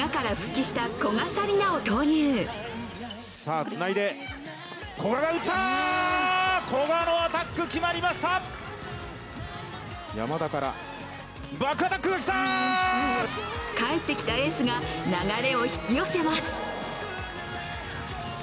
帰ってきたエースが流れを引き寄せます。